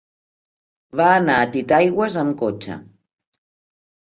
Va anar a Titaigües amb cotxe.